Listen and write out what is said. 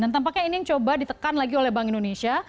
dan tampaknya ini yang coba ditekan lagi oleh bank indonesia